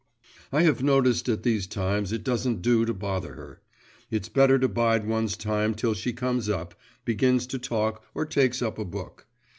… I have noticed at these times it doesn't do to bother her; it's better to bide one's time till she comes up, begins to talk or takes up a book.